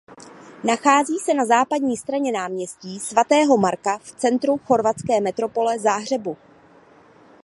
Nachází se na západní straně náměstí svatého Marka v centru chorvatské metropole Záhřebu.